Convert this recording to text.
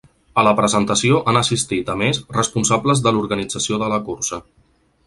A la presentació han assistit, a més, responsables de l’organització de la cursa.